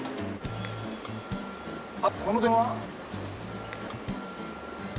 あっこの都電は？